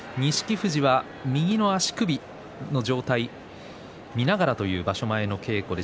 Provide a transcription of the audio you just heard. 富士は右の足首の状態を見ながらという状態です。